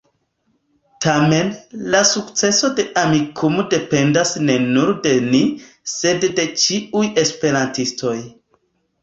Tamen, la sukceso de Amikumu dependas ne nur de ni, sed de ĉiuj esperantistoj.